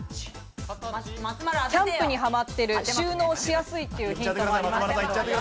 キャンプにはまってる、収納しやすいというヒントがありました。